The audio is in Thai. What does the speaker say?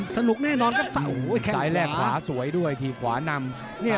สายแรกขวาสวยด้วยที่ขวานำ